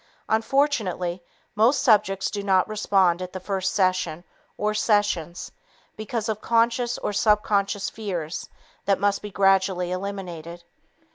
Unfortunately, most subjects do not respond at the first session or sessions because of conscious or subconscious fears that must be gradually eliminated.